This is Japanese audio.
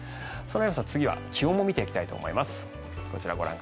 次は気温も見ていきたいと思います。